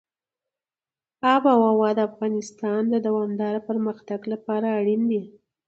آب وهوا د افغانستان د دوامداره پرمختګ لپاره اړین دي.